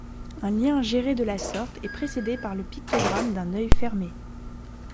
Un lien géré de la sorte est précédé par le pictogramme d'un œil fermé.